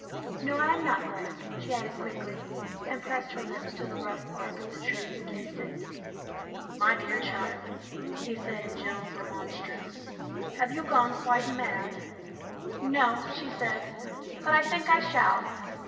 "No, I am not glad," she added quickly, and pressed her lips to the rough bark of the tree and kissed it. " My dear child," he said in gentle remonstrance, " have you gone quite mad ?" MINIATURES 229 " No," she said, " but I think I shall."